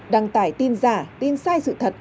đăng tải tin giả tin sai sự thật